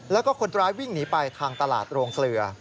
แล้วก็คนร้ายวิ่งหนีไปทางตลาดโรงเกลือ